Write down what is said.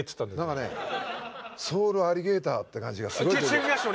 なんかねソウルアリゲーターって感じがすごいしてきた。